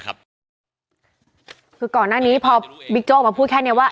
คือก่อนหน้านี้พอบิ๊กโจ๊กออกมาพูดแค่นี้ว่า